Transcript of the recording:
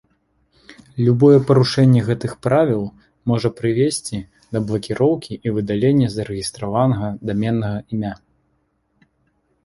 Любое парушэнне гэтых правіл можа прывесці да блакіроўкі і выдалення зарэгістраванага даменнага імя.